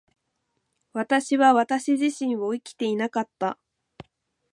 私は私自身を生きていなかった。